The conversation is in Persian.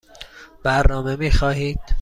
برنامه می خواهید؟